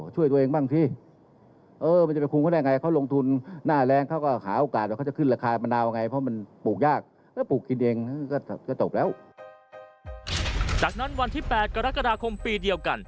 จากนั้นวันที่๘กรกฎาคมปีเดียวกัน